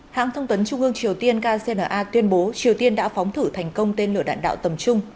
hãng thông tấn trung ương triều tiên kcna tuyên bố triều tiên đã phóng thử thành công tên lửa đạn đạo tầm trung